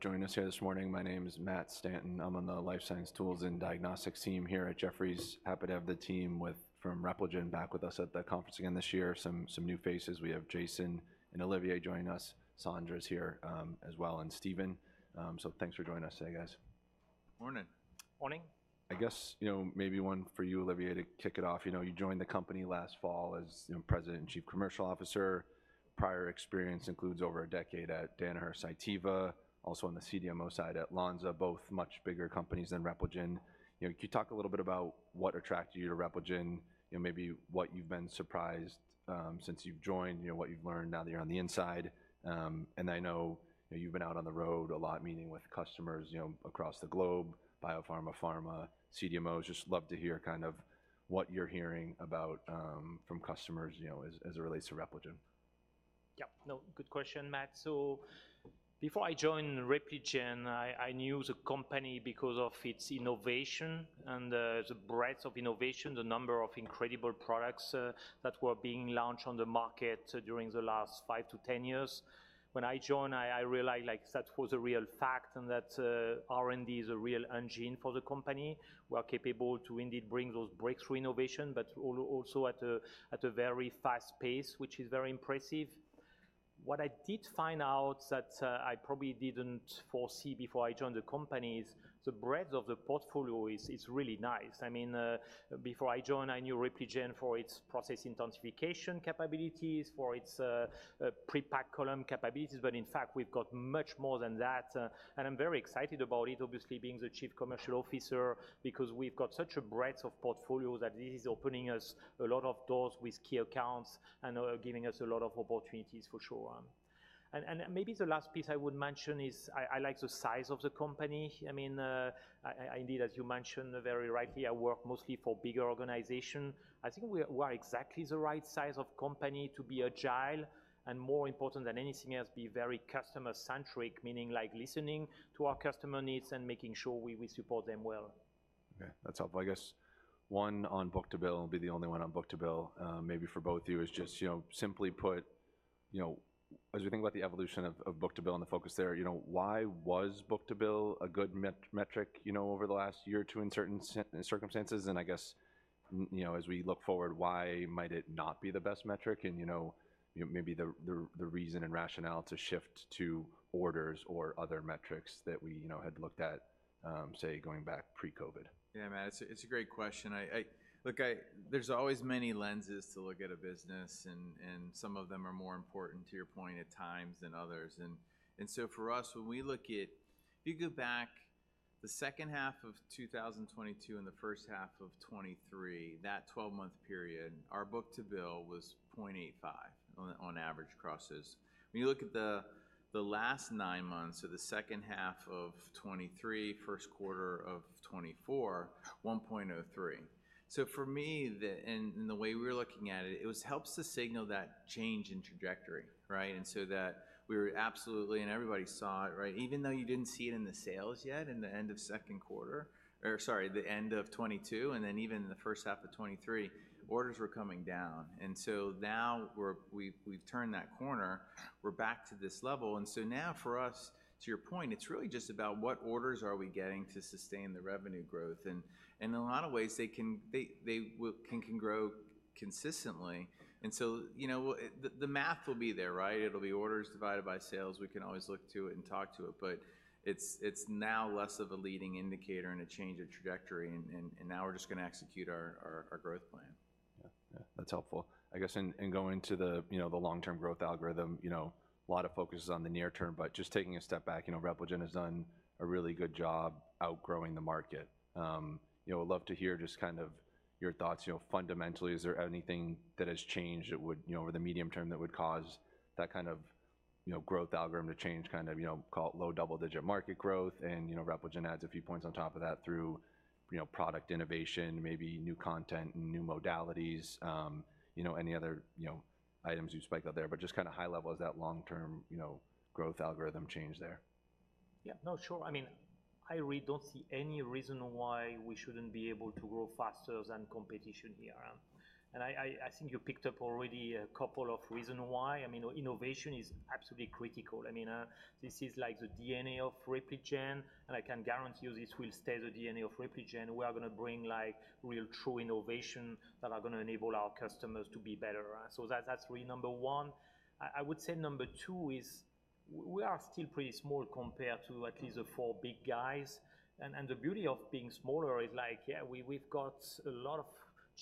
For joining us here this morning. My name is Matt Stanton. I'm an Analyst on the Life Science Tools and Diagnostics team here at Jefferies. Happy to have the team from Repligen back with us at the conference again this year. Some new faces. We have Jason and Olivier joining us. Sondra's here as well, and Stephen. Thanks for joining us today, guys. Morning. Morning. I guess, you know, maybe one for you, Olivier, to kick it off. You know, you joined the company last fall as President and Chief Commercial Officer. Prior experience includes over a decade at Danaher Cytiva, also on the CDMO side at Lonza, both much bigger companies than Repligen. You know, can you talk a little bit about what attracted you to Repligen? You know, maybe what you've been surprised since you've joined, you know, what you've learned now that you're on the inside. I know you've been out on the road a lot, meeting with customers, you know, across the globe, biopharma, pharma, CDMOs. Just love to hear kind of what you're hearing about from customers, you know, as it relates to Repligen. Yeah, no, good question, Matt. So before I joined Repligen, I knew the company because of its innovation and the breadth of innovation, the number of incredible products that were being launched on the market during the last five to 10 years. When I joined, I realized like that was a real fact and that R&D is a real engine for the company. We are capable to indeed bring those breakthrough innovations, but also at a very fast pace, which is very impressive. What I did find out that I probably didn't foresee before I joined the company is the breadth of the portfolio is really nice. I mean, before I joined, I knew Repligen for its process intensification capabilities, for its pre-packed column capabilities, but in fact, we've got much more than that. I'm very excited about it, obviously being the Chief Commercial Officer, because we've got such a breadth of portfolio that this is opening us a lot of doors with key accounts and giving us a lot of opportunities for sure. Maybe the last piece I would mention is I like the size of the company. I mean, indeed, as you mentioned very rightly, I work mostly for bigger organizations. I think we are exactly the right size of company to be agile and, more important than anything else, be very customer-centric, meaning like listening to our customer needs and making sure we support them well. Okay, that's helpful. I guess one on book to bill, I'll be the only one on book to bill, maybe for both of you, is just, you know, simply put, you know, as we think about the evolution of book to bill and the focus there, you know, why was book to bill a good metric, you know, over the last year or two in certain circumstances? And I guess, you know, as we look forward, why might it not be the best metric? And, you know, maybe the reason and rationale to shift to orders or other metrics that we, you know, had looked at, say, going back pre-COVID. Yeah, man, it's a great question. Look, there's always many lenses to look at a business, and some of them are more important, to your point, at times than others. And so for us, when we look at, if you go back the second half of 2022 and the first half of 2023, that 12-month period, our Book to Bill was 0.85 on average across. When you look at the last nine months, so the second half of 2023, first quarter of 2024, 1.03. So for me, and the way we were looking at it, it helps to signal that change in trajectory, right? And so that we were absolutely, and everybody saw it, right? Even though you didn't see it in the sales yet in the end of second quarter, or sorry, the end of 2022, and then even in the first half of 2023, orders were coming down. And so now we've turned that corner. We're back to this level. And so now for us, to your point, it's really just about what orders are we getting to sustain the revenue growth? And in a lot of ways, they can grow consistently. And so, you know, the math will be there, right? It'll be orders divided by sales. We can always look to it and talk to it, but it's now less of a leading indicator and a change of trajectory, and now we're just going to execute our growth plan. Yeah, yeah, that's helpful. I guess in going to the, you know, the long-term growth algorithm, you know, a lot of focus is on the near term, but just taking a step back, you know, Repligen has done a really good job outgrowing the market. You know, I'd love to hear just kind of your thoughts, you know, fundamentally, is there anything that has changed that would, you know, over the medium term that would cause that kind of, you know, growth algorithm to change, kind of, you know, call it low double-digit market growth? And, you know, Repligen adds a few points on top of that through, you know, product innovation, maybe new content and new modalities, you know, any other, you know, items you spike out there, but just kind of high level is that long-term, you know, growth algorithm change there. Yeah, no, sure. I mean, I really don't see any reason why we shouldn't be able to grow faster than competition here. And I think you picked up already a couple of reasons why. I mean, innovation is absolutely critical. I mean, this is like the DNA of Repligen, and I can guarantee you this will stay the DNA of Repligen. We are going to bring like real true innovation that are going to enable our customers to be better. So that's really number one. I would say number two is we are still pretty small compared to at least the four big guys. And the beauty of being smaller is like, yeah, we've got a lot of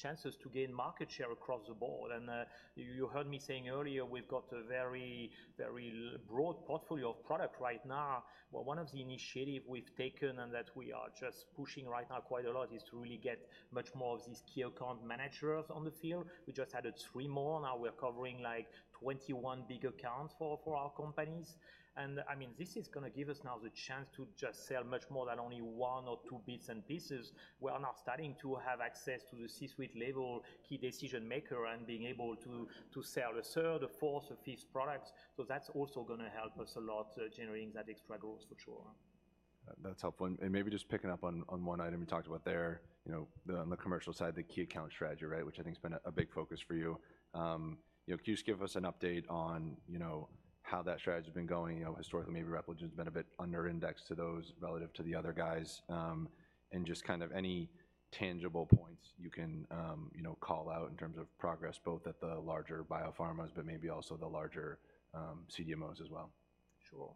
chances to gain market share across the board. And you heard me saying earlier, we've got a very, very broad portfolio of product right now. Well, one of the initiatives we've taken and that we are just pushing right now quite a lot is to really get much more of these key account managers on the field. We just added three more. Now we're covering like 21 big accounts for our companies. And I mean, this is going to give us now the chance to just sell much more than only one or two bits and pieces. We're now starting to have access to the C-suite level key decision maker and being able to sell a third, a fourth, a fifth product. So that's also going to help us a lot generating that extra growth for sure. That's helpful. Maybe just picking up on one item we talked about there, you know, on the commercial side, the key account strategy, right, which I think has been a big focus for you. You know, can you just give us an update on, you know, how that strategy has been going? You know, historically, maybe Repligen has been a bit under-indexed to those relative to the other guys. And just kind of any tangible points you can, you know, call out in terms of progress, both at the larger biopharmas, but maybe also the larger CDMOs as well. Sure.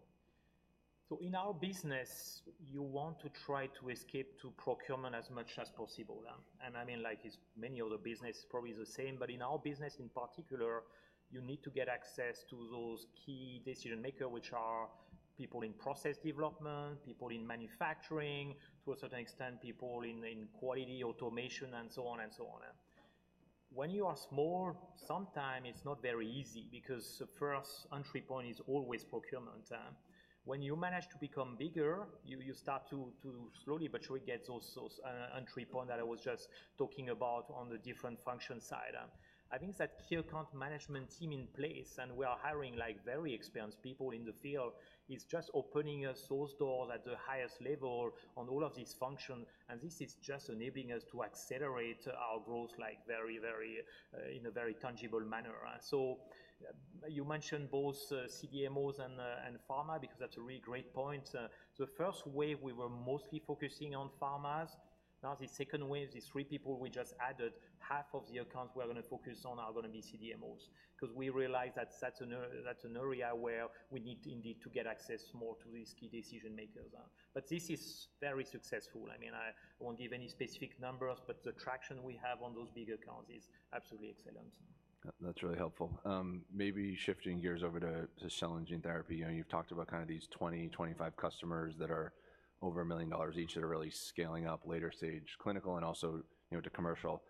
So in our business, you want to try to escape to procurement as much as possible. And I mean, like many other businesses, probably the same, but in our business in particular, you need to get access to those key decision makers, which are people in process development, people in manufacturing, to a certain extent, people in quality automation, and so on and so on. When you are small, sometimes it's not very easy because the first entry point is always procurement. When you manage to become bigger, you start to slowly but surely get those entry points that I was just talking about on the different function side. Having that key account management team in place and we are hiring like very experienced people in the field is just opening those doors at the highest level on all of these functions. This is just enabling us to accelerate our growth like very, very, in a very tangible manner. You mentioned both CDMOs and pharma because that's a really great point. The first wave we were mostly focusing on pharmas. Now the second wave, the three people we just added, half of the accounts we're going to focus on are going to be CDMOs because we realized that's an area where we need indeed to get access more to these key decision makers. This is very successful. I mean, I won't give any specific numbers, but the traction we have on those big accounts is absolutely excellent. That's really helpful. Maybe shifting gears over to cell and gene therapy. You know, you've talked about kind of these 20, 25 customers that are over $1 million each that are really scaling up later stage clinical and also, you know, to commercial.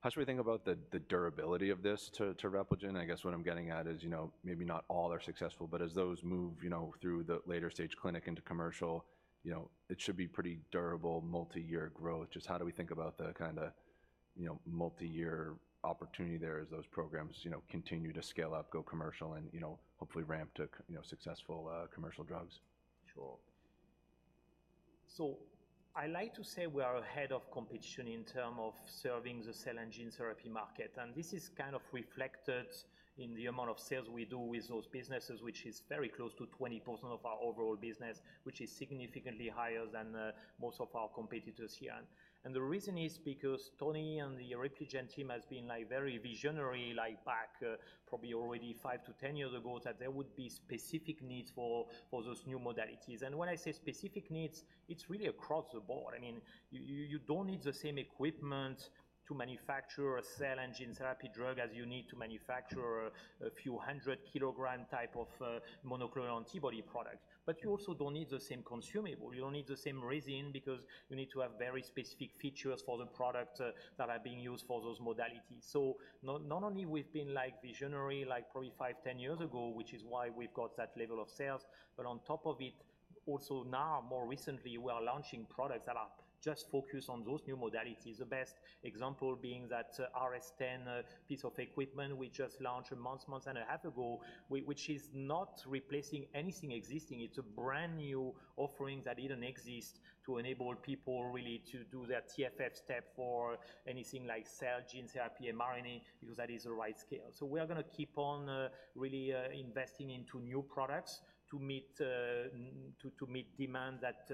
How should we think about the durability of this to Repligen? I guess what I'm getting at is, you know, maybe not all are successful, but as those move, you know, through the later stage clinic into commercial, you know, it should be pretty durable multi-year growth. Just how do we think about the kind of, you know, multi-year opportunity there as those programs, you know, continue to scale up, go commercial, and, you know, hopefully ramp to, you know, successful commercial drugs? Sure. So I like to say we are ahead of competition in terms of serving the cell and gene therapy market. And this is kind of reflected in the amount of sales we do with those businesses, which is very close to 20% of our overall business, which is significantly higher than most of our competitors here. And the reason is because Tony and the Repligen team have been like very visionary, like back probably already five to 10 years ago, that there would be specific needs for those new modalities. And when I say specific needs, it's really across the board. I mean, you don't need the same equipment to manufacture a cell and gene therapy drug as you need to manufacture a few hundred kilogram type of monoclonal antibody product. But you also don't need the same consumable. You don't need the same resin because you need to have very specific features for the product that are being used for those modalities. So not only we've been like visionary, like probably five, 10 years ago, which is why we've got that level of sales, but on top of it, also now more recently, we are launching products that are just focused on those new modalities. The best example being that RS10 piece of equipment we just launched a month, month and a half ago, which is not replacing anything existing. It's a brand new offering that didn't exist to enable people really to do that TFF step for anything like cell and gene therapy and RNA because that is the right scale. So we are going to keep on really investing into new products to meet demand that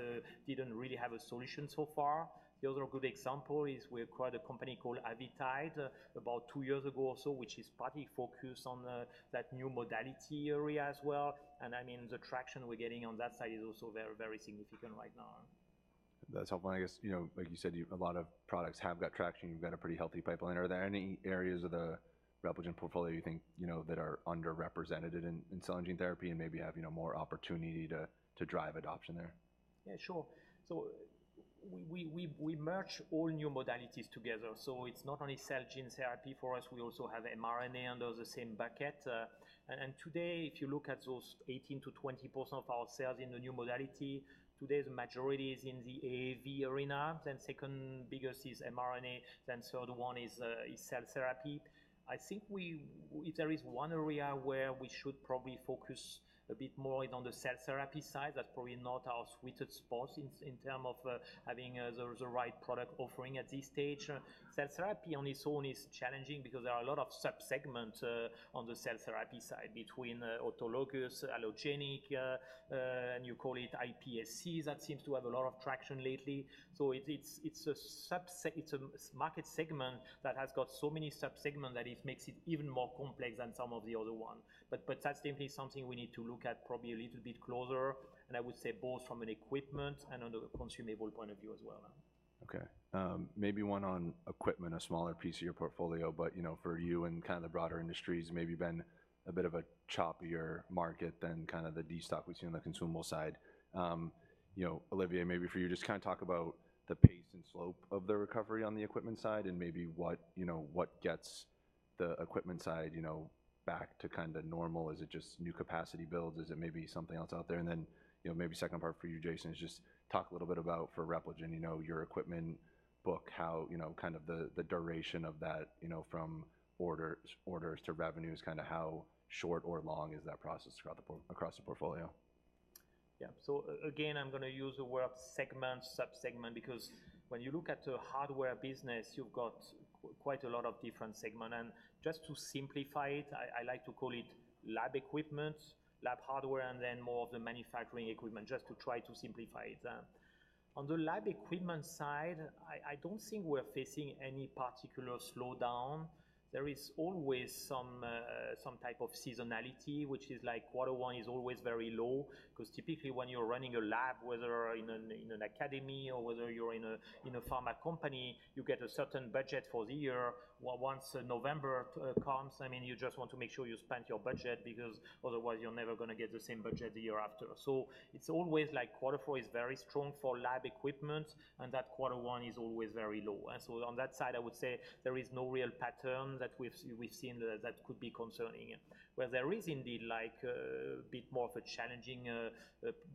didn't really have a solution so far. The other good example is we acquired a company called Avitide about two years ago or so, which is partly focused on that new modality area as well. I mean, the traction we're getting on that side is also very, very significant right now. That's helpful. I guess, you know, like you said, a lot of products have got traction. You've got a pretty healthy pipeline. Are there any areas of the Repligen portfolio you think, you know, that are underrepresented in cell and gene therapy and maybe have, you know, more opportunity to drive adoption there? Yeah, sure. So we merge all new modalities together. So it's not only cell gene therapy for us. We also have mRNA under the same bucket. And today, if you look at those 18%-20% of our sales in the new modality, today the majority is in the AAV arena. Then second biggest is mRNA. Then third one is cell therapy. I think if there is one area where we should probably focus a bit more on the cell therapy side, that's probably not our sweet spot in terms of having the right product offering at this stage. Cell therapy on its own is challenging because there are a lot of subsegments on the cell therapy side between autologous, allogeneic, and you call it iPSCs that seems to have a lot of traction lately. It's a market segment that has got so many subsegments that it makes it even more complex than some of the other ones. That's definitely something we need to look at probably a little bit closer. I would say both from an equipment and on the consumable point of view as well. Okay. Maybe one on equipment, a smaller piece of your portfolio, but, you know, for you and kind of the broader industries, maybe been a bit of a choppier market than kind of the destock we've seen on the consumable side. You know, Olivier, maybe for you just kind of talk about the pace and slope of the recovery on the equipment side and maybe what, you know, what gets the equipment side, you know, back to kind of normal. Is it just new capacity builds? Is it maybe something else out there? And then, you know, maybe second part for you, Jason, is just talk a little bit about for Repligen, you know, your equipment book, how, you know, kind of the duration of that, you know, from orders to revenue is kind of how short or long is that process across the portfolio? Yeah. So again, I'm going to use the word segment, subsegment, because when you look at the hardware business, you've got quite a lot of different segments. And just to simplify it, I like to call it lab equipment, lab hardware, and then more of the manufacturing equipment just to try to simplify it. On the lab equipment side, I don't think we're facing any particular slowdown. There is always some type of seasonality, which is like quarter one is always very low because typically when you're running a lab, whether in academia or whether you're in a pharma company, you get a certain budget for the year. Once November comes, I mean, you just want to make sure you spent your budget because otherwise you're never going to get the same budget the year after. So it's always like quarter four is very strong for lab equipment and that quarter one is always very low. And so on that side, I would say there is no real pattern that we've seen that could be concerning. Where there is indeed like a bit more of a challenging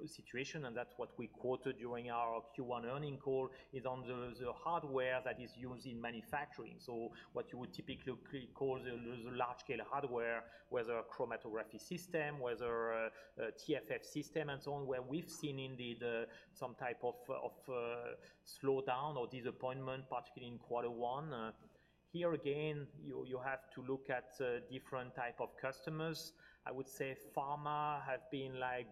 situation, and that's what we quoted during our Q1 earnings call, is on the hardware that is used in manufacturing. So what you would typically call the large scale hardware, whether chromatography system, whether TFF system, and so on, where we've seen indeed some type of slowdown or disappointment, particularly in quarter one. Here again, you have to look at different type of customers. I would say pharma have been like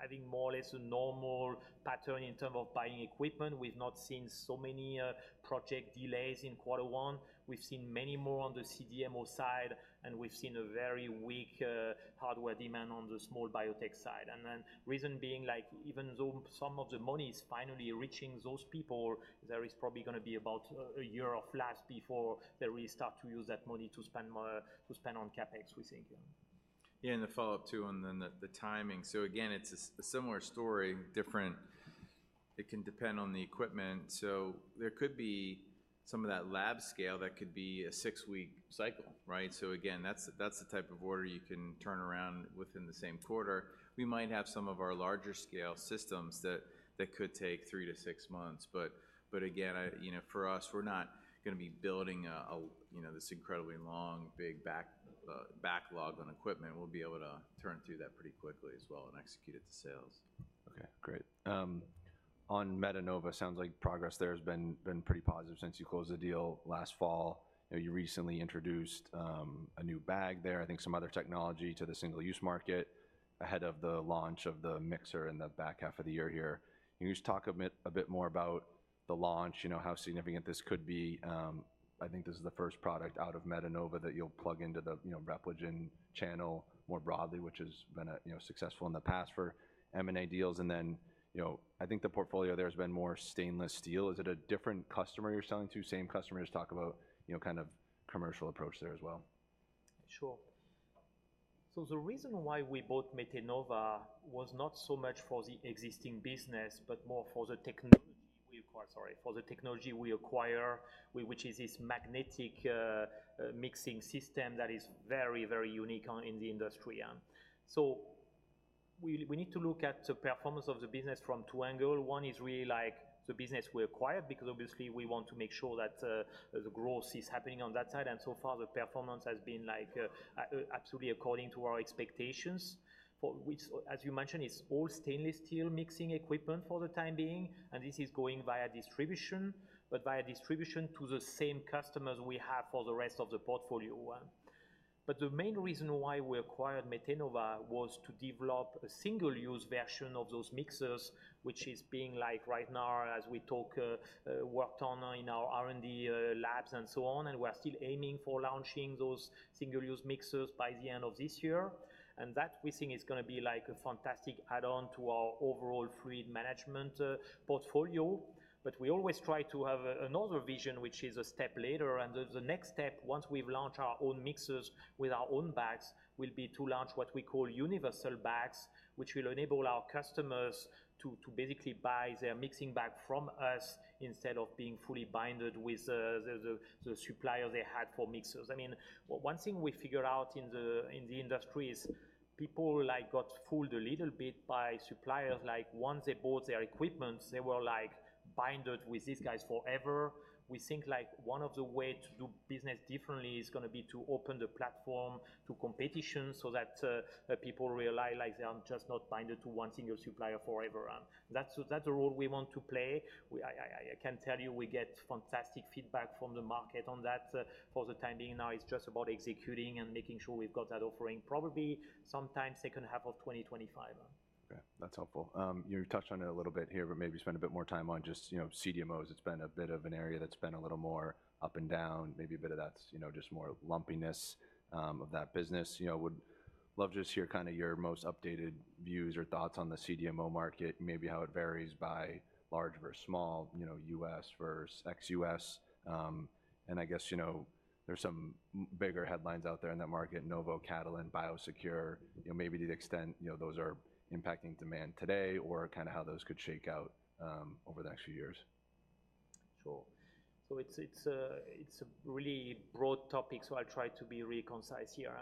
having more or less a normal pattern in terms of buying equipment. We've not seen so many project delays in quarter one. We've seen many more on the CDMO side, and we've seen a very weak hardware demand on the small biotech side. And then reason being like even though some of the money is finally reaching those people, there is probably going to be about a year of lapse before they really start to use that money to spend on CapEx, we think. Yeah, and the follow-up too, and then the timing. So again, it's a similar story, different. It can depend on the equipment. So there could be some of that lab scale that could be a six-week cycle, right? So again, that's the type of order you can turn around within the same quarter. We might have some of our larger scale systems that could take three to six months. But again, you know, for us, we're not going to be building a, you know, this incredibly long, big backlog on equipment. We'll be able to turn through that pretty quickly as well and execute it to sales. Okay, great. On Metenova, it sounds like progress there has been pretty positive since you closed the deal last fall. You recently introduced a new bag there, I think some other technology to the single-use market ahead of the launch of the mixer in the back half of the year here. Can you just talk a bit more about the launch, you know, how significant this could be? I think this is the first product out of Metenova that you'll plug into the, you know, Repligen channel more broadly, which has been, you know, successful in the past for M&A deals. And then, you know, I think the portfolio there has been more stainless steel. Is it a different customer you're selling to? Same customers? Talk about, you know, kind of commercial approach there as well. Sure. So the reason why we bought Metenova was not so much for the existing business, but more for the technology we acquired, sorry, for the technology we acquired, which is this magnetic mixing system that is very, very unique in the industry. So we need to look at the performance of the business from two angles. One is really like the business we acquired because obviously we want to make sure that the growth is happening on that side. And so far, the performance has been like absolutely according to our expectations, which, as you mentioned, is all stainless steel mixing equipment for the time being. And this is going via distribution, but via distribution to the same customers we have for the rest of the portfolio. But the main reason why we acquired Metenova was to develop a single-use version of those mixers, which is being like right now, as we talk, worked on in our R&D labs and so on. And we're still aiming for launching those single-use mixers by the end of this year. And that we think is going to be like a fantastic add-on to our overall fluid management portfolio. But we always try to have another vision, which is a step later. And the next step, once we've launched our own mixers with our own bags, will be to launch what we call universal bags, which will enable our customers to basically buy their mixing bag from us instead of being fully bound with the supplier they had for mixers. I mean, one thing we figured out in the industry is people like got fooled a little bit by suppliers. Like, once they bought their equipment, they were like bound with these guys forever. We think like one of the ways to do business differently is going to be to open the platform to competition so that people realize like they're just not bound to one single supplier forever. That's the role we want to play. I can tell you we get fantastic feedback from the market on that. For the time being now, it's just about executing and making sure we've got that offering probably sometime second half of 2025. Okay, that's helpful. You touched on it a little bit here, but maybe spend a bit more time on just, you know, CDMOs. It's been a bit of an area that's been a little more up and down, maybe a bit of that, you know, just more lumpiness of that business. You know, would love to just hear kind of your most updated views or thoughts on the CDMO market, maybe how it varies by large versus small, you know, U.S. versus ex-U.S. And I guess, you know, there's some bigger headlines out there in that market, Novo, Catalent, Biosecure, you know, maybe to the extent, you know, those are impacting demand today or kind of how those could shake out over the next few years. Sure. So it's a really broad topic, so I'll try to be really concise here.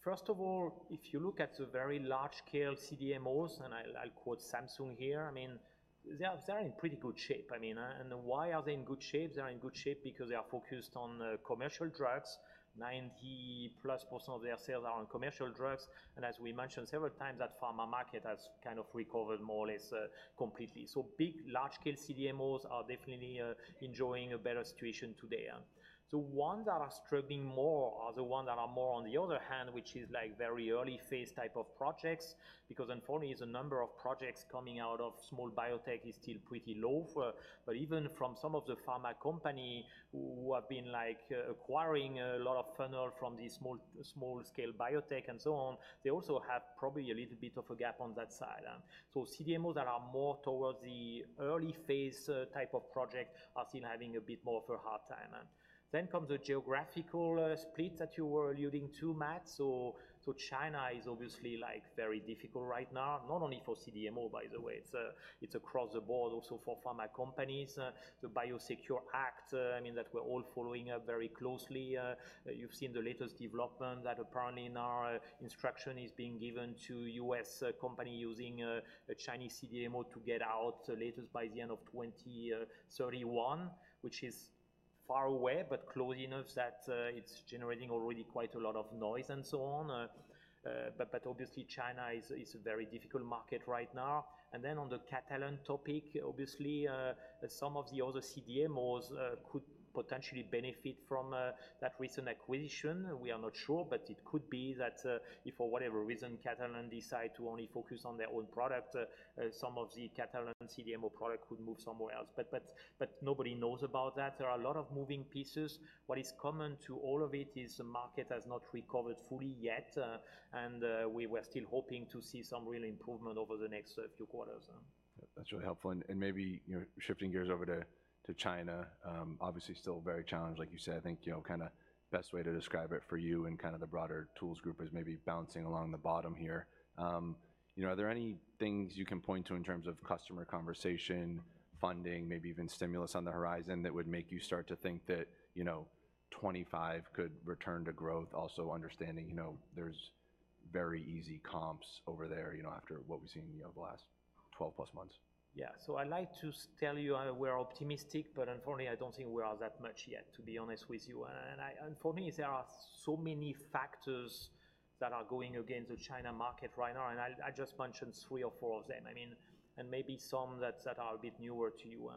First of all, if you look at the very large scale CDMOs, and I'll quote Samsung here, I mean, they're in pretty good shape. I mean, and why are they in good shape? They're in good shape because they are focused on commercial drugs. 90%+ of their sales are on commercial drugs. And as we mentioned several times, that pharma market has kind of recovered more or less completely. So big, large scale CDMOs are definitely enjoying a better situation today. So ones that are struggling more are the ones that are more on the other hand, which is like very early phase type of projects, because unfortunately, the number of projects coming out of small biotech is still pretty low. But even from some of the pharma companies who have been like acquiring a lot of funnel from these small scale biotech and so on, they also have probably a little bit of a gap on that side. So CDMOs that are more towards the early phase type of project are still having a bit more of a hard time. Then comes the geographical split that you were alluding to, Matt. So China is obviously like very difficult right now, not only for CDMO, by the way. It's across the board also for pharma companies. The Biosecure Act, I mean, that we're all following very closely. You've seen the latest development that apparently now instruction is being given to U.S. companies using a Chinese CDMO to get out latest by the end of 2031, which is far away, but close enough that it's generating already quite a lot of noise and so on. But obviously, China is a very difficult market right now. And then on the Catalent topic, obviously, some of the other CDMOs could potentially benefit from that recent acquisition. We are not sure, but it could be that if for whatever reason Catalent decide to only focus on their own product, some of the Catalent CDMO product could move somewhere else. But nobody knows about that. There are a lot of moving pieces. What is common to all of it is the market has not recovered fully yet. And we're still hoping to see some real improvement over the next few quarters. That's really helpful. Maybe, you know, shifting gears over to China, obviously still very challenged, like you said, I think, you know, kind of best way to describe it for you and kind of the broader tools group is maybe bouncing along the bottom here. You know, are there any things you can point to in terms of customer conversation, funding, maybe even stimulus on the horizon that would make you start to think that, you know, 2025 could return to growth, also understanding, you know, there's very easy comps over there, you know, after what we've seen over the last 12+ months? Yeah, so I like to tell you we're optimistic, but unfortunately, I don't think we are that much yet, to be honest with you. And unfortunately, there are so many factors that are going against the China market right now. And I just mentioned three or four of them, I mean, and maybe some that are a bit newer to you.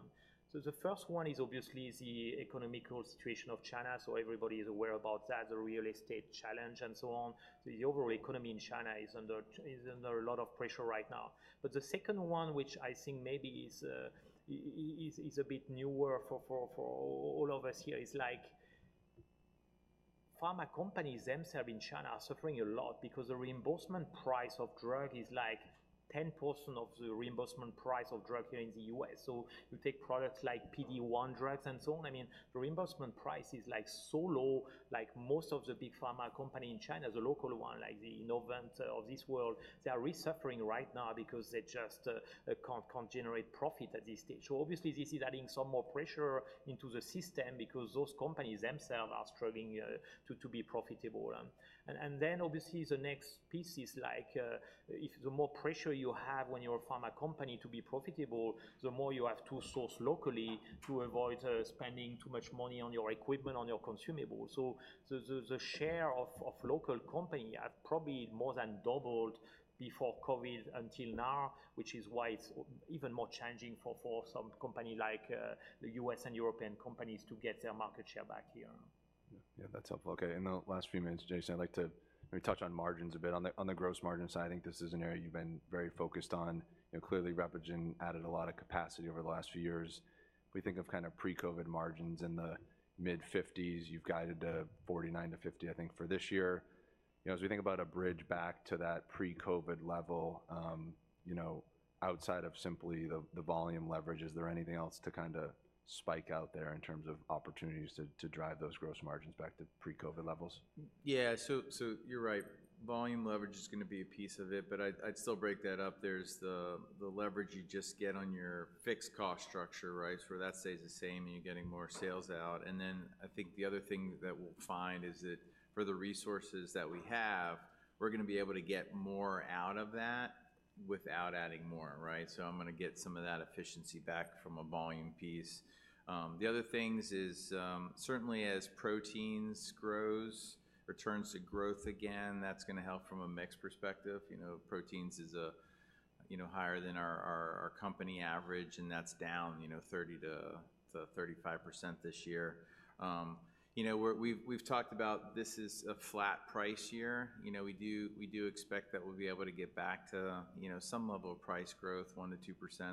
So the first one is obviously the economic situation of China. So everybody is aware about that, the real estate challenge and so on. The overall economy in China is under a lot of pressure right now. But the second one, which I think maybe is a bit newer for all of us here, is like pharma companies themselves in China are suffering a lot because the reimbursement price of drug is like 10% of the reimbursement price of drug here in the U.S. So you take products like PD-1 drugs and so on. I mean, the reimbursement price is like so low, like most of the big pharma companies in China, the local one, like the Innovent of this world, they are really suffering right now because they just can't generate profit at this stage. So obviously, this is adding some more pressure into the system because those companies themselves are struggling to be profitable. And then obviously, the next piece is like if the more pressure you have when you're a pharma company to be profitable, the more you have to source locally to avoid spending too much money on your equipment, on your consumables. So the share of local companies has probably more than doubled before COVID until now, which is why it's even more challenging for some companies like the U.S. and European companies to get their market share back here. Yeah, that's helpful. Okay, in the last few minutes, Jason, I'd like to maybe touch on margins a bit. On the gross margin side, I think this is an area you've been very focused on. You know, clearly, Repligen added a lot of capacity over the last few years. We think of kind of pre-COVID margins in the mid-50s%. You've guided to 49%-50%, I think, for this year. You know, as we think about a bridge back to that pre-COVID level, you know, outside of simply the volume leverage, is there anything else to kind of stick out there in terms of opportunities to drive those gross margins back to pre-COVID levels? Yeah, so you're right. Volume leverage is going to be a piece of it, but I'd still break that up. There's the leverage you just get on your fixed cost structure, right? Where that stays the same and you're getting more sales out. And then I think the other thing that we'll find is that for the resources that we have, we're going to be able to get more out of that without adding more, right? So I'm going to get some of that efficiency back from a volume piece. The other thing is certainly as proteins grows, returns to growth again, that's going to help from a mix perspective. You know, proteins is a, you know, higher than our company average, and that's down, you know, 30%-35% this year. You know, we've talked about this is a flat price year. You know, we do expect that we'll be able to get back to, you know, some level of price growth, 1%-2%.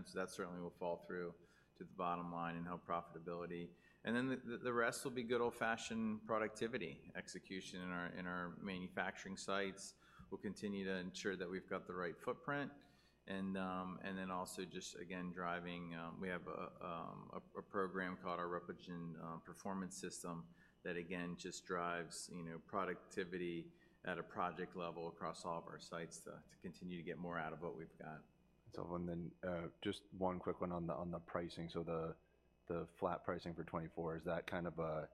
So that certainly will fall through to the bottom line and help profitability. And then the rest will be good old-fashioned productivity execution in our manufacturing sites. We'll continue to ensure that we've got the right footprint. And then also just, again, driving, we have a program called our Repligen Performance System that, again, just drives, you know, productivity at a project level across all of our sites to continue to get more out of what we've got. That's helpful. Then just one quick one on the pricing. So the flat pricing for 2024, is that kind of a,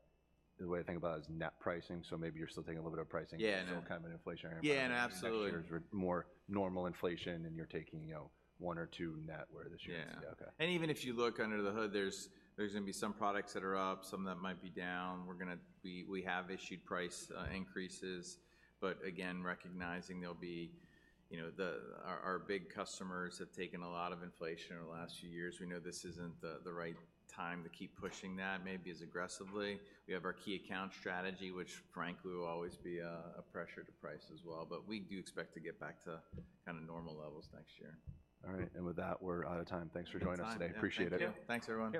the way I think about it is net pricing. So maybe you're still taking a little bit of pricing because there's still kind of an inflationary impact this year. Yeah, absolutely. More normal inflation and you're taking, you know, one or two net where this year is, yeah. Yeah. And even if you look under the hood, there's going to be some products that are up, some that might be down. We're going to, we have issued price increases, but again, recognizing there'll be, you know, our big customers have taken a lot of inflation over the last few years. We know this isn't the right time to keep pushing that maybe as aggressively. We have our key account strategy, which frankly will always be a pressure to price as well. But we do expect to get back to kind of normal levels next year. All right. With that, we're out of time. Thanks for joining us today. Appreciate it. Thank you. Thanks everyone.